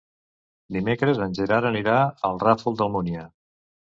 Dimecres en Gerard anirà al Ràfol d'Almúnia.